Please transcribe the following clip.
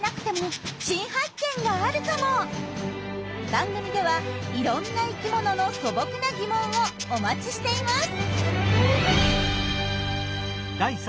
番組ではいろんな生きものの素朴な疑問をお待ちしています！